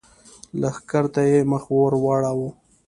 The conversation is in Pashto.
لښکر ته يې مخ ور واړاوه!